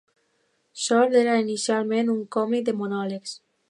Storch era inicialment un còmic de monòlegs.